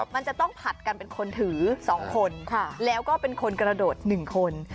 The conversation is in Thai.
มันจะต้องผัดกันเป็นคนถือ๒คนแล้วก็เป็นคนกระโดด๑คน